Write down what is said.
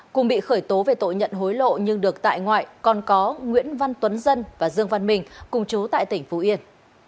cùng bị khởi tố về tội nhận hối lộ nhưng được tại ngoại còn có nguyễn văn tuấn dân và dương văn mình cùng chú tại tỉnh phú yên